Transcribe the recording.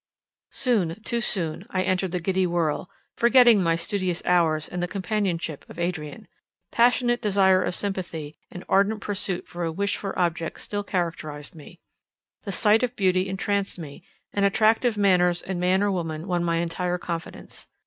Soon, too soon, I entered the giddy whirl; forgetting my studious hours, and the companionship of Adrian. Passionate desire of sympathy, and ardent pursuit for a wished for object still characterized me. The sight of beauty entranced me, and attractive manners in man or woman won my entire confidence.